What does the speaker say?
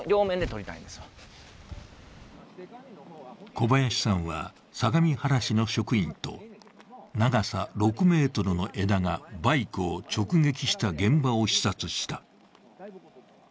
小林さんは相模原市の職員と長さ６ｍの枝がバイクを直撃した現場を視察した。